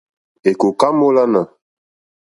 Èkòká mólánà.